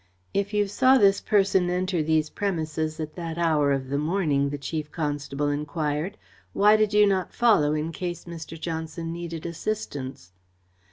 "If you saw this person enter these premises at that hour of the morning," the Chief Constable enquired, "why did you not follow, in case Mr. Johnson needed assistance?"